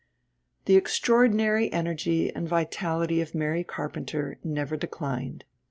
The extraordinary energy and vitality of Mary Carpenter never declined.